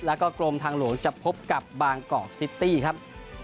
แล้วก็กรมทางหลวงจะพบกับบางกอกซิตี้ครับ